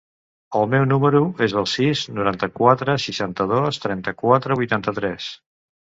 El meu número es el sis, noranta-quatre, seixanta-dos, trenta-quatre, vuitanta-tres.